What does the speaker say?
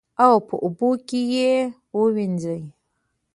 او په اوبو کې یې ووینځو.